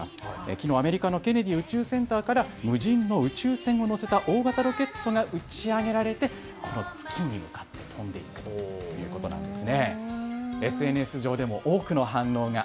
きのう、アメリカのケネディ宇宙センターから無人の宇宙船を載せた大型ロケットが打ち上げられて月に向かって飛んでいったということです。